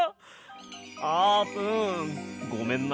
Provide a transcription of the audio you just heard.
あーぷんごめんな。